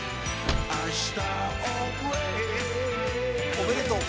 おめでとう。